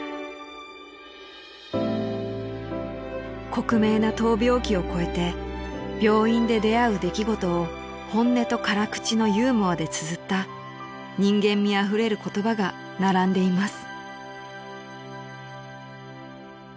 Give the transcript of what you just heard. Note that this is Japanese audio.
［克明な闘病記を超えて病院で出会う出来事を本音と辛口のユーモアでつづった人間味あふれる言葉が並んでいます］